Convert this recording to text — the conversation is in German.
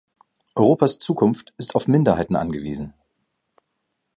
Europas Zukunft ist auf Minderheiten angewiesen.